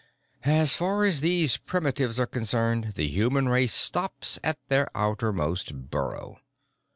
As far as these primitives are concerned, the human race stops at their outermost burrow.